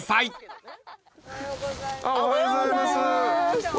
おはようございます。